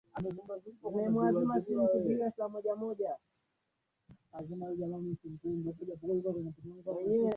alibeba kombe la ligi na kuwa kombe la saba kwa Olympique Lyonnais